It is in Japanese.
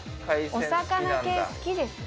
お魚系好きですね。